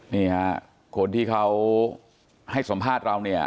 นี่ฮะคนที่เขาให้สัมภาษณ์เราเนี่ย